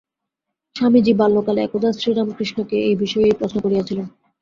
স্বামীজী বাল্যকালে একদা শ্রীরামকৃষ্ণকে এই বিষয়েই প্রশ্ন করিয়াছিলেন।